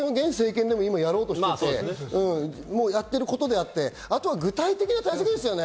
現政権でもやろうとしていることであって、あとは具体的なことですよね。